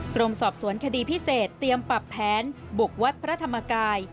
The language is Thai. กรมสอบสวนคดีพิเศษเตรียมปรับแผนบุกวัดพระธรรมกาย